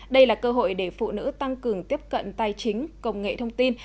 đây là cơ hội để phụ nữ tăng cường tiếp cận tài chính công nghệ thông tin